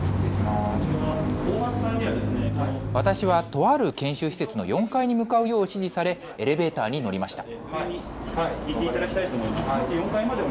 私はとある研修施設の４階に向かうよう指示されエレベーターに乗りました。